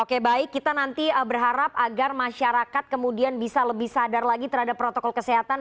oke baik kita nanti berharap agar masyarakat kemudian bisa lebih sadar lagi terhadap protokol kesehatan